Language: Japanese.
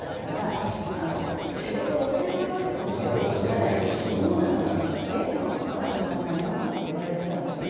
いつもまだ終わらないの？なんて言われていたわけですね。